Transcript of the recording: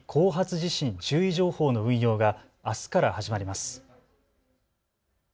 地震注意情報の運用があすから始まります。